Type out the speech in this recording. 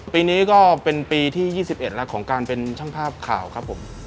ปีนี้ก็เป็นปีที่๒๑แล้วของการเป็นช่างภาพข่าวครับผม